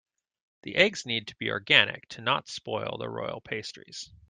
The eggs need to be organic to not spoil the royal pastries.